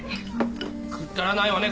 くっだらないわね